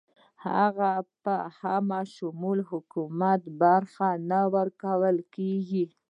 هغوی په همه شموله حکومت کې برخه نه ورکول کیږي.